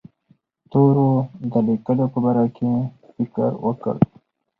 تورو د لیکلو په باره کې فکر وکړ.